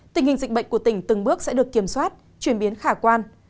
tình hình dịch bệnh của tỉnh từng bước sẽ được kiểm soát chuyển biến khả quan